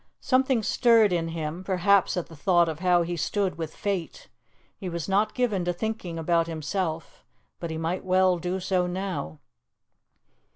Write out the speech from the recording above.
Something stirred in him, perhaps at the thought of how he stood with fate. He was not given to thinking about himself, but he might well do so now.